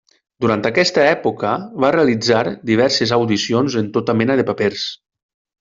Durant aquesta època va realitzar diverses audicions en tota mena de papers.